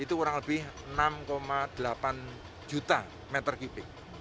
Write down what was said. itu kurang lebih enam delapan juta meter kubik